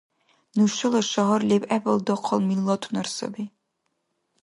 Нушала шагьар лебгӀебал дахъал миллатунар саби